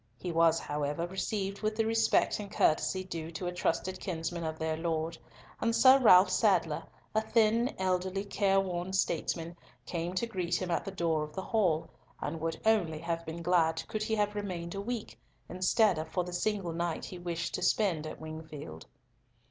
He was, however, received with the respect and courtesy due to a trusted kinsman of their lord; and Sir Ralf Sadler, a thin, elderly, careworn statesman, came to greet him at the door of the hall, and would only have been glad could he have remained a week, instead of for the single night he wished to spend at Wingfield.